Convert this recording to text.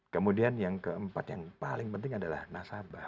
kemudian yang keempat yang paling penting adalah nasabah